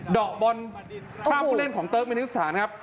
ดอกบอลฆ่าผู้เล่นของเติร์กมินิสถานครับ